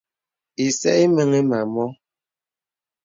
Ìsə̄ ìməŋì mə à mɔ.